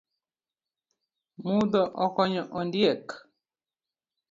Mudho okonyo ondiek